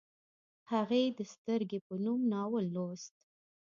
هغې د سترګې په نوم ناول لوست